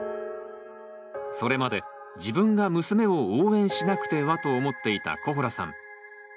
それまで「自分が娘を応援しなくては」と思っていたコホラさん。